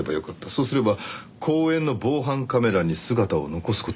そうすれば公園の防犯カメラに姿を残す事もなかった。